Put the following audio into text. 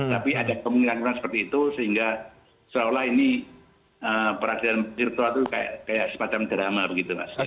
tapi ada kemungkinan kemungkinan seperti itu sehingga seolah olah ini peradilan virtual itu kayak semacam drama begitu mas